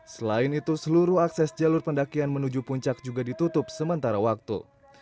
selain itu seluruh akses jalur pendakian menuju puncak juga ditutup sementara waktu